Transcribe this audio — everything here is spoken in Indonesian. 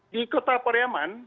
di kota riyaman